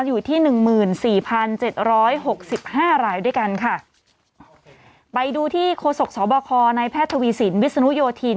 อยู่ที่หนึ่งหมื่นสี่พันเจ็ดร้อยหกสิบห้ารายด้วยกันค่ะไปดูที่โฆษกสบคในแพทย์ทวีสินวิศนุโยธิน